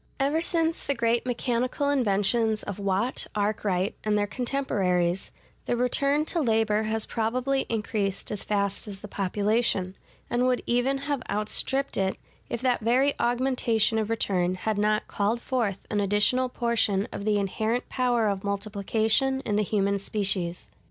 Ever since the great mechanical inventions of Watt, Arkwright, and their contemporaries, the return to labor has probably increased as fast as the population; and would even have outstripped it, if that very augmentation of return had not called forth an additional portion of the inherent power of multiplication in the human species.